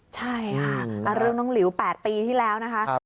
ใช่ค่ะเรื่องน้องหลิว๘ปีที่แล้วนะคะ